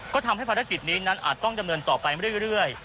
ก็ทำให้ภารกิจนี้นั้นอาจต้องดำเนินต่อไปเรื่อย